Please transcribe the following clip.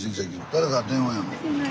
誰から電話やの？